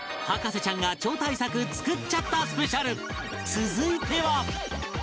続いては